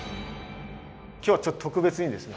今日はちょっと特別にですね